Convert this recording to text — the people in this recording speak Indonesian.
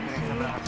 kita berangkat dulu